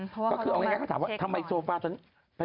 ก็คือที่หน้าห้องขาดีเบิร์ยเลยทำไมสโฟาเป็นอย่างนั้น